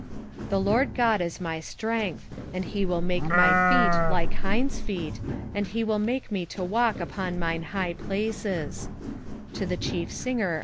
3:19 The LORD God is my strength, and he will make my feet like hinds' feet, and he will make me to walk upon mine high places.